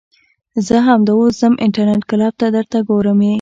زه همدا اوس ځم انترنيټ کلپ ته درته ګورم يې .